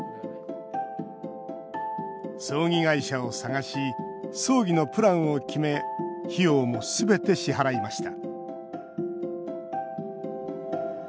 葬儀会社を探し葬儀のプランを決め費用もすべて支払いました